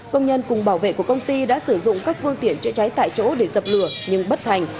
công nhân cùng bảo vệ của công ty đã sử dụng các phương tiện chữa cháy tại chỗ để dập lửa nhưng bất thành